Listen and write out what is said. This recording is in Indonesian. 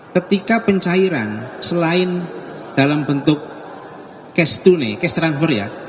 ketika pencairan selain dalam bentuk cash tone case transfer ya